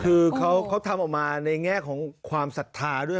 คือเขาทำออกมาในแง่ของความศรัทธาด้วย